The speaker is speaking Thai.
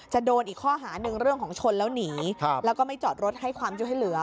โดนอีกข้อหาหนึ่งเรื่องของชนแล้วหนีแล้วก็ไม่จอดรถให้ความช่วยเหลือ